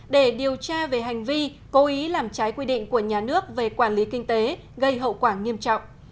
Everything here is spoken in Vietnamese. để điều tra về hành vi cố ý làm trái quy định của nhà nước về quản lý kinh tế gây hậu quả nghiêm trọng